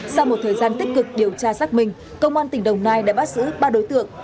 sau một thời gian tích cực điều tra xác minh công an tỉnh đồng nai đã bắt giữ ba đối tượng